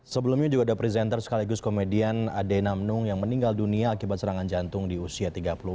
sebelumnya juga ada presenter sekaligus komedian ade namnung yang meninggal dunia akibat serangan jantung di usia tiga puluh empat